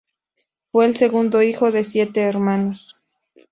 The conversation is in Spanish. Fue el segundo hijo de siete hermanos.